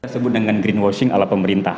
sebut dengan greenwashing ala pemerintah